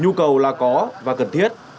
nhu cầu là có và cần thiết